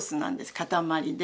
塊で。